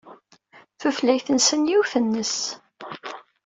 Tutlayt-nsen yiwet-nnes.